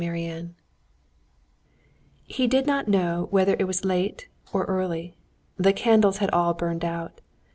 Chapter 15 He did not know whether it was late or early. The candles had all burned out.